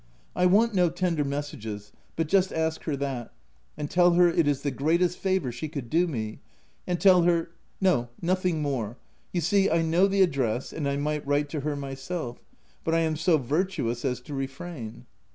I want no tender messages, but just ask her that, and tell her it is the greatest favour she could do me ; and tell her — no, nothing more. — You see I know the address, and I might write to her myself, but I am so virtuous as to refrain."